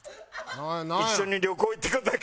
一緒に旅行行ってくれないか。